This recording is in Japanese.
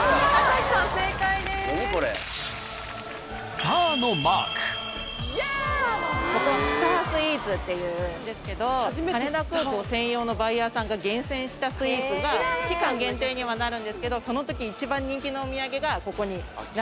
スタースイーツっていうんですけど羽田空港専用のバイヤーさんが厳選したスイーツが期間限定にはなるんですけどそのとき一番人気のお土産がここに並んでます。